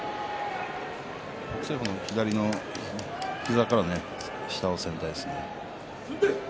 北青鵬の左の膝から下を攻めたいですね。